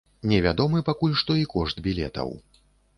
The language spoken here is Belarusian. Невядомы пакуль што і кошт білетаў.